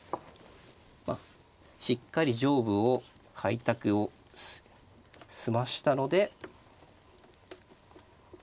まあしっかり上部を開拓を済ましたので。